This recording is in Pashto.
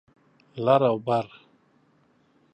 لر او بر